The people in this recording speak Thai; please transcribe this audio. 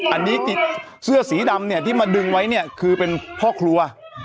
อันนี้เสื้อสีดำเนี่ยที่มาดึงไว้เนี่ยคือเป็นพ่อครัว